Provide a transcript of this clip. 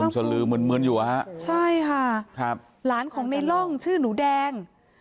ชลือเหมือนอยู่นะครับใช่หรอครับหลานของในลองชื่อหนูแดง